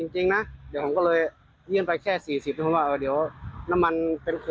จริงหรอพี่บอก